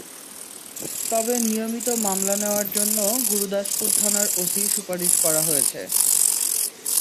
তবে নিয়মিত মামলা নেওয়ার জন্য গুরুদাসপুর থানার ওসি সুপারিশ করা হয়েছে।